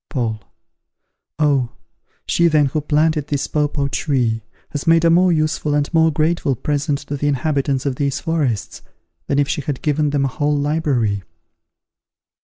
Paul. Oh! she, then, who planted this papaw tree, has made a more useful and more grateful present to the inhabitants of these forests than if she had given them a whole library.